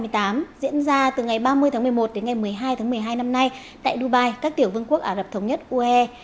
diễn ra từ ngày ba mươi tháng một mươi một đến ngày một mươi hai tháng một mươi hai năm nay tại dubai các tiểu vương quốc ả rập thống nhất uae